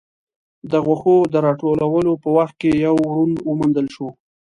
د غوښو د راټولولو په وخت کې يو ورون وموندل شو.